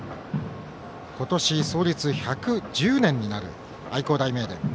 今年、創立１１０年になる愛工大名電。